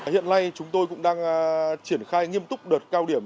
hiện nay chúng tôi cũng đang triển khai nghiêm túc đợt cao điểm